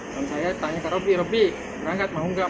dan saya tanya ke robi robi berangkat mau gak